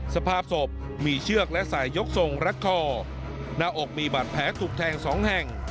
สภาพศพมีเชือกและสายยกทรงรัดคอหน้าอกมีบาดแผลถูกแทงสองแห่ง